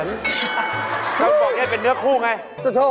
โอ้โฮโลดฟันเหยินมันบอกแย่เป็นเนื้อคู่ไงโอ้โฮ